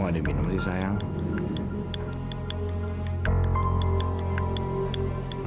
kok ada minum sih sayang